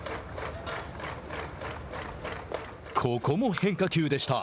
ここも変化球でした。